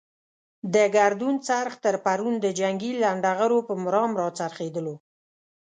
د ګردون څرخ تر پرون د جنګي لنډه غرو پر مرام را څرخېدلو.